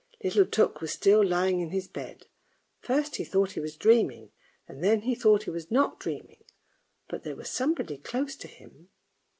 Little Tuk was still lying in his bed; first he thought he was dreaming, and then he thought he was not dreaming, but there was somebody close to him.